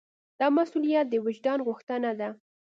دا مسوولیت د وجدان غوښتنه ده.